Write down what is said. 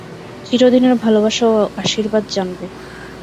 চিরদিনের ভালবাসা ও আশীর্বাদ জানবে।